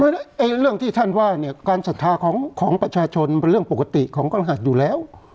เรื่องที่ท่านว่าเนี่ยการศรัทธาของประชาชนเป็นเรื่องปกติของพระรหัสอยู่แล้ว